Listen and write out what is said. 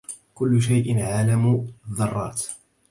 كل شيء من عالم الذرات